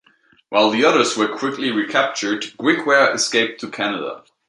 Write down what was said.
While the others were quickly recaptured, Grigware escaped to Canada.